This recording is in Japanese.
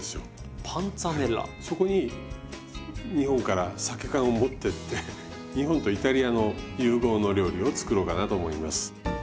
そこに日本からさけ缶を持ってって日本とイタリアの融合の料理を作ろうかなと思います。